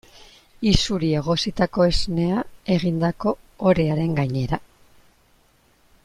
Isuri egositako esnea egindako orearen gainera.